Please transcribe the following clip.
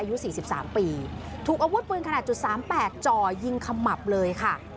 อายุ๔๓ปีถูกอวดปืนขนาด๓๘จ่อยิงขมับเลยค่ะ